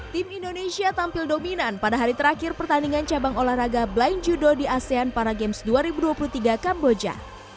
tim indonesia tampil dominan pada hari terakhir pertandingan cabang olahraga blind judo di asean para games dua ribu dua puluh tiga kamboja